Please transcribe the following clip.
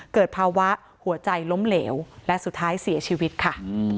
เกิดภาวะหัวใจล้มเหลวและสุดท้ายเสียชีวิตค่ะ